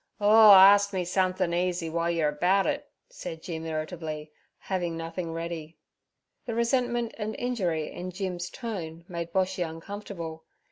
'Oh, arst me somethin' easy w'ile yer about it' said Jim irritably, having nothing ready. The resentment and injury in Jim's tone made Boshy uncomfortable.